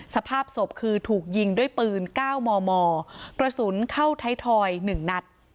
สภาพศพคือถูกยิงด้วยปืน๙มมกระสุนเข้าไทยทอย๑นัด